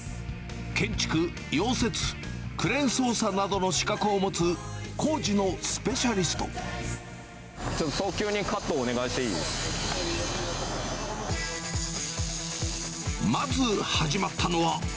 建築、溶接、クレーン操作などの資格を持つ、ちょっと早急にカット、まず始まったのは。